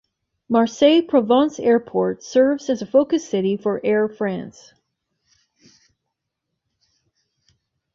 Marseille Provence Airport serves as a focus city for Air France.